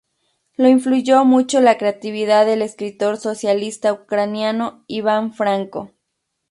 Lo influyó mucho la creatividad del escritor socialista ucraniano Iván Franko.